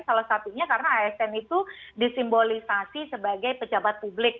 salah satunya karena asn itu disimbolisasi sebagai pejabat publik